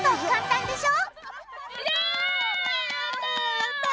やった！